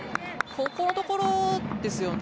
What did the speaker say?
ここのところですよね。